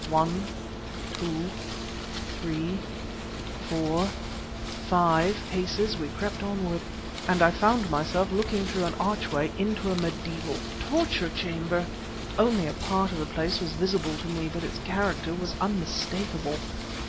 One two three four five paces we crept onward ... and I found myself looking through an archway into a medieval torture chamber! Only a part of the place was visible to me, but its character was unmistakable.